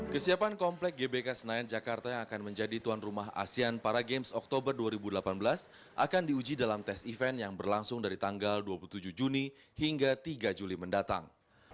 kesiapan komplek gbk senayan jakarta yang akan menjadi tuan rumah asean para games oktober dua ribu delapan belas akan diuji dalam tes event yang berlangsung dari tanggal dua puluh tujuh juni hingga tiga juli mendatang